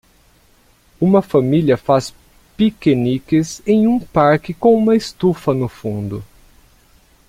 Uma família faz piqueniques em um parque com uma estufa no fundo.